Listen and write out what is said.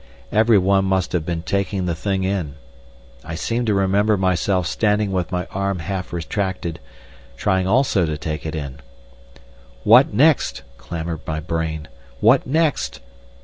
Every one must have been taking the thing in. I seem to remember myself standing with my arm half retracted, trying also to take it in. "What next?" clamoured my brain; "what next?"